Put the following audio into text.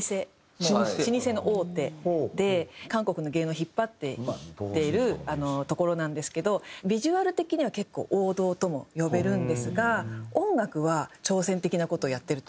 老舗の大手で韓国の芸能を引っ張っていっているところなんですけどビジュアル的には結構王道とも呼べるんですが音楽は挑戦的な事をやっているというか。